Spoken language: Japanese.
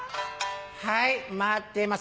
「はい待ってます」